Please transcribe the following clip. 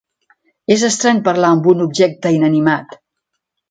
És estrany parlar amb un objecte inanimat.